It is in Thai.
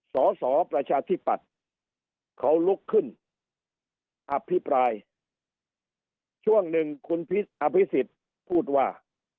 สอสอประชาธิปัตย์เขาลุกขึ้นอภิปรายช่วงหนึ่งคุณอภิษฎพูดว่า